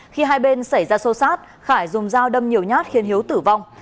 khi hai bên xảy ra sâu sát khải dùng dao đâm nhiều nhát khiến hiếu tử vong